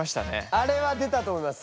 あれは出たと思います。